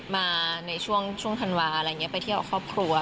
มาในช่วงธันวาค์ไปเที่ยวครอบครัว